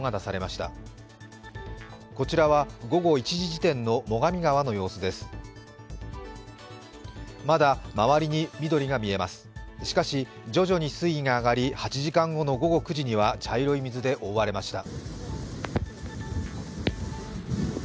しかし、徐々に水位が上がり８時間後の午後９時には茶色い水で覆われました。